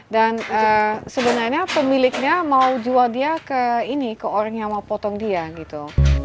dan sebenarnya pemiliknya mau jual dia ke ini ke orang yang mau potong dia gitu